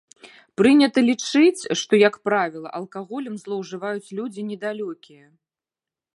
Прынята лічыць, што, як правіла, алкаголем злоўжываюць людзі недалёкія.